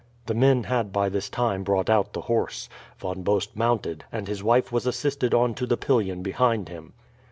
The men had by this time brought out the horse. Von Bost mounted, and his wife was assisted on to the pillion behind him.